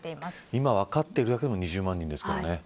今、分かっているだけでも２０万人ですからね。